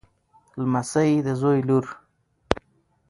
لمسۍ د زوی لور.